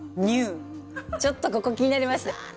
ちょっとここ気になりますね。